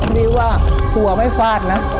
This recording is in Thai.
ดีว่าครัวไม่ฟาดนะ